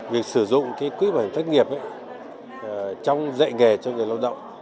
việc sử dụng quỹ bảo hiểm thất nghiệp trong dạy nghề cho người lao động